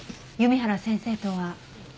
弓原先生とは。